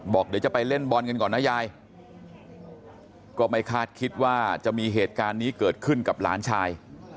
บอกเดี๋ยวจะไปเล่นบอลกันก่อนนะยายก็ไม่คาดคิดว่าจะมีเหตุการณ์นี้เกิดขึ้นกับหลานชาย